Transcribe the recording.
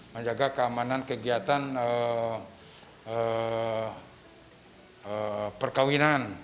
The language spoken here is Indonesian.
menjaga keamanan kegiatan perkawinan